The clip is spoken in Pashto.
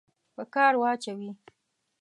په کار واچوي.